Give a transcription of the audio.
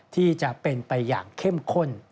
ที่จะเป็นไปอย่างเข้มข้น